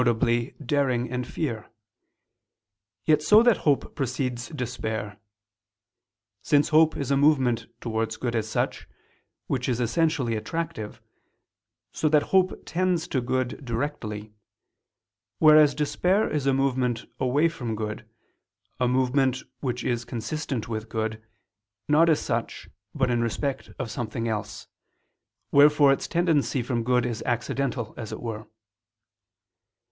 daring and fear: yet so that hope precedes despair; since hope is a movement towards good as such, which is essentially attractive, so that hope tends to good directly; whereas despair is a movement away from good, a movement which is consistent with good, not as such, but in respect of something else, wherefore its tendency from good is accidental, as it were.